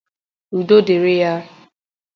Udo dịrị ya!